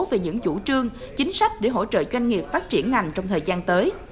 về những chủ trương chính sách để hỗ trợ doanh nghiệp phát triển ngành trong thời gian tới